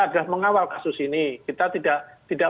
adalah mengawal kasus ini kita tidak